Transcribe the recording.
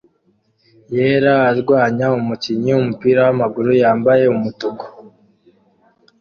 yera arwanya umukinnyi wumupira wamaguru yambaye umutuku